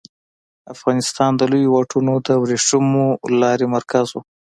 افغانستان د لویو واټونو د ورېښمو لارې مرکز و